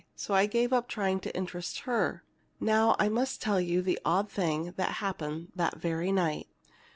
So I gave up trying to interest her. "Now, I must tell you the odd thing that happened that very night.